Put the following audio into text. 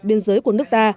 biên giới của nước ta